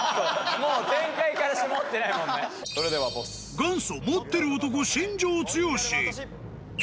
［元祖持ってる男新庄剛志］